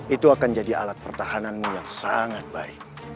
itu akan jadi alat pertahananmu yang sangat baik